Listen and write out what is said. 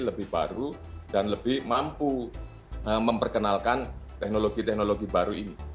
lebih baru dan lebih mampu memperkenalkan teknologi teknologi baru ini